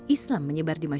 islam menyebar di mana mana